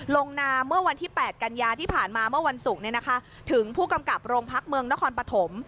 ลงนามเมื่อวันที่๘กันยาที่ผ่านมาเมื่อวันศุกร์ถึงผู้กำกับโรงพักเมืองนครปฐม